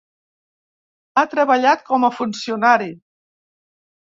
Ha treballat com a funcionari.